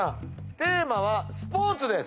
テーマはスポーツです。